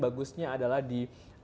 berharga rp stairs kan ini rp tiga